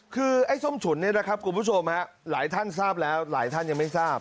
คือไอ้ส้มฉุนเนี่ยนะครับคุณผู้ชมหลายท่านทราบแล้วหลายท่านยังไม่ทราบ